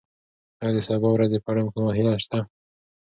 ایا د سبا ورځې په اړه کومه هیله شته؟